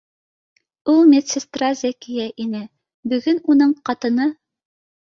Ул медсестра Зәкиә ине, бөгөн уның ҡатыны